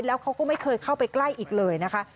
แล้วเขาก็ไม่เคยเข้าไปใกล้อีกเลยนะคะ